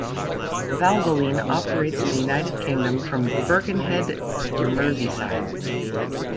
Valvoline operates in the United Kingdom from Birkenhead, Merseyside.